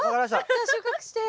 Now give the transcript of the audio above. じゃあ収穫して。